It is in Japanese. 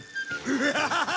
ハハハハッ！